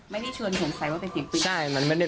ไม่ได้ชวนสมใสว่าเป็นเสียงปืน